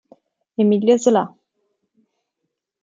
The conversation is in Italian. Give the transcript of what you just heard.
Emilio Zola